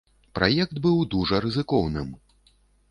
Праект быў дужа рызыкоўным.